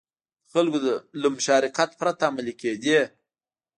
د خلکو له مشارکت پرته عملي کېدې.